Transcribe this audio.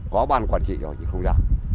có bàn quản trị rồi thì không giao